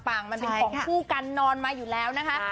มันเป็นของคู่กันนอนมาอยู่แล้วนะคะ